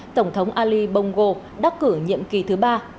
tổng thống ali bongo đắc cử nhiệm kỳ thứ ba